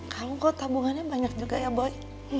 kang kok tabungannya banyak juga ya boy